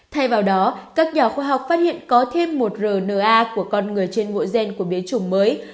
thay vào đó các nhà khoa học phát hiện có thêm một rna của con người trên mỗi gen của biến chủng mới